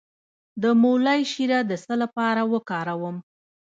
د مولی شیره د څه لپاره وکاروم؟